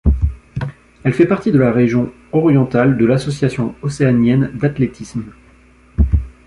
Elle fait partie de la région orientale de l'Association océanienne d'athlétisme.